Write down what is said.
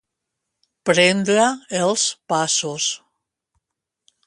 Prendre els passos.